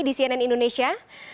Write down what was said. di cnn indonesia